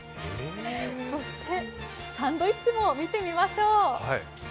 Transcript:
そしてサンドイッチも見てみましょう。